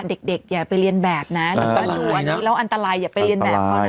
เด็กอย่าไปเรียนแบบน่ะแล้วอันตรายอย่าไปเรียนแบบเพราะ